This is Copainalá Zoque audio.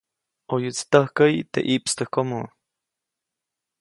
ʼOyuʼtsi täjkäyi teʼ ʼiʼpstäjkomo.